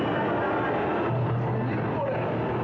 何これ。